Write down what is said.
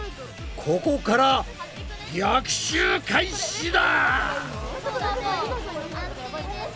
ここから逆襲開始だ！